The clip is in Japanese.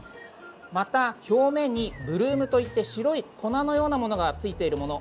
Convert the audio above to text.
また、表面にブルームといって白い粉のようなものがついているもの。